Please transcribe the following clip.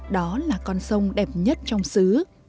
đó là con sông đẹp nhất trong xứ